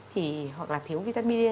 hoặc là thiếu vitamin d